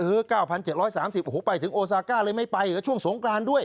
๙๗๓๐โอ้โหไปถึงโอซาก้าเลยไม่ไปกับช่วงสงกรานด้วย